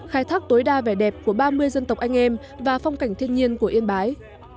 khai thác tối đa vẻ đẹp của ba mươi dân tộc anh em và phong cảnh thiên nhiên của yên bái